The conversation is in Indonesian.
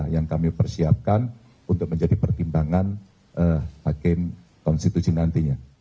yang kami persiapkan untuk menjadi pertimbangan hakim konstitusi nantinya